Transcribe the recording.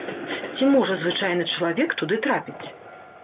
Ці можа звычайны чалавек туды трапіць?